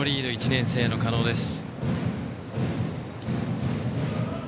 １年生の加納です。